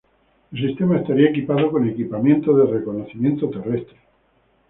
El sistema estaría equipado con equipamiento de reconocimiento terrestre.